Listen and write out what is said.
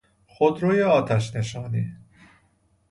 خودروی آتش نشانی